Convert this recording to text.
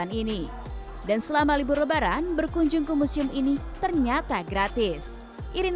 yang ingin balik ke perantauan di wilayah jabodetabek untuk beristilahat sejenak karena tidak ada rest area di kota puncak javanah dan juga di kota cirebon